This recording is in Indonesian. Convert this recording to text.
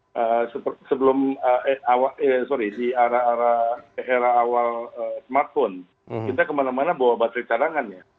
sebelum awal eh sorry di era awal smartphone kita kemana mana bawa baterai cadangannya